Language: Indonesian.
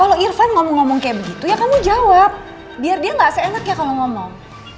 kalau irfan ngomong ngomong kayak begitu ya kamu jawab biar dia gak seenak ya kalau ngomong